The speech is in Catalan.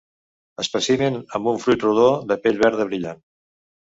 Espècimen amb un fruit rodó de pell verda brillant.